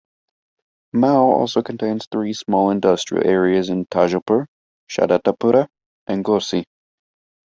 Mau also contains three small industrial areas in Tajopur, Shahadatpura and Ghosi.